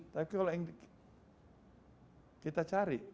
tapi kalau yang kita cari